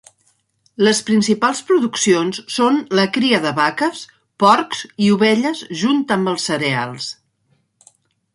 Les principals produccions són la cria de vaques, porcs i ovelles junt amb els cereals.